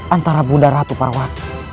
antara buddha ratu parwat